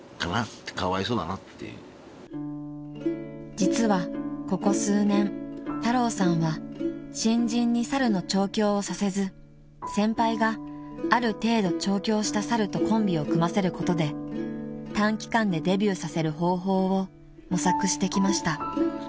［実はここ数年太郎さんは新人に猿の調教をさせず先輩がある程度調教した猿とコンビを組ませることで短期間でデビューさせる方法を模索してきました］